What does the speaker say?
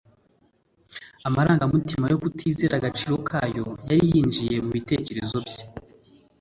Amarangamutima yo kutizera agaciro kayo yari yinjiye mubitekerezo bye